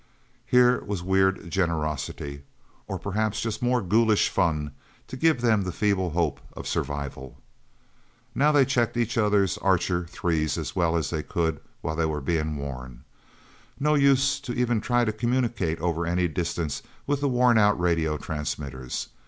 Here was weird generosity or perhaps just more ghoulish fun to give them the feeble hope of survival. Now they checked each other's Archer Threes as well as they could while they were being worn. No use even to try to communicate over any distance with the worn out radio transmitters.